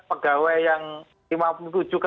pegawai yang lima puluh tujuh ke delapan puluh